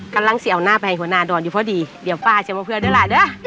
กำลังสิเอาหน้าไปให้หัวหน้าดอนอยู่พอดีเดี๋ยวป้าจะมาเพื่อนด้วยล่ะเด้อ